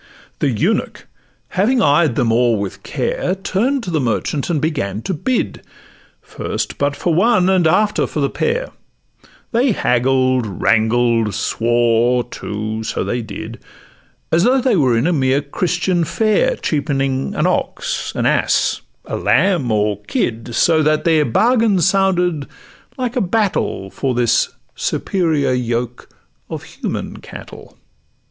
The eunuch, having eyed them o'er with care, Turn'd to the merchant, and begun to bid First but for one, and after for the pair; They haggled, wrangled, swore, too—so they did! As though they were in a mere Christian fair Cheapening an ox, an ass, a lamb, or kid; So that their bargain sounded like a battle For this superior yoke of human cattle.